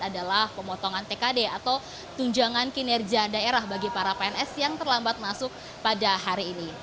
adalah pemotongan tkd atau tunjangan kinerja daerah bagi para pns yang terlambat masuk pada hari ini